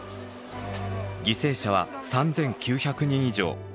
犠牲者は３，９００人以上。